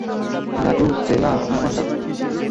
লা Cruz de la হার্মানদাদ।